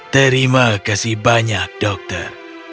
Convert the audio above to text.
terima kasih banyak dokter